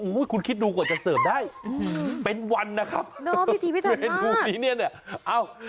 ก็ให้คุณคิดดูก่อนจะเสิร์ฟได้เป็นวันน่ะครับนะพิธีพิธานมาก